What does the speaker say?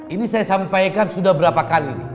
ini saya sampaikan sudah berapa kali